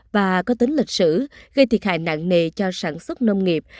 và có tính lịch sử gây thiệt hại nặng nề cho sản xuất nông nghiệp